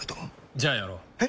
じゃあやろう。え？